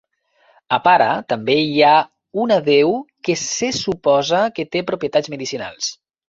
A Para també hi ha una deu que se suposa que té propietats medicinals.